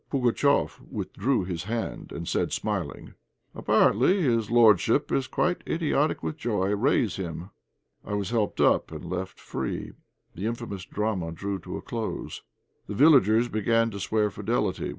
Pugatchéf withdrew his hand and said, smiling "Apparently his lordship is quite idiotic with joy; raise him." I was helped up and left free. The infamous drama drew to a close. The villagers began to swear fidelity.